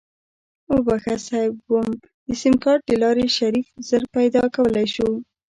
وبښه صيب ويم د سيمکارټ دلارې شريف زر پيدا کولی شو.